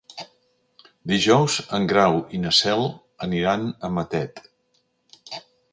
Dijous en Grau i na Cel aniran a Matet.